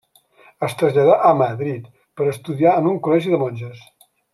Es traslladà a Madrid per estudiar en un col·legi de monges.